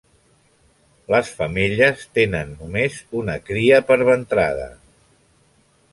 Les femelles tenen només una cria per ventrada.